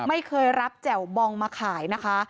ไม่เคยรับแจ่วบองมาขายนะคะ